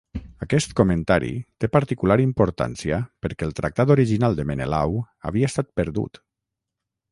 Aquest comentari té particular importància perquè el tractat original de Menelau havia estat perdut.